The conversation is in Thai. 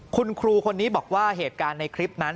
คุณครูคนนี้บอกว่าเหตุการณ์ในคลิปนั้น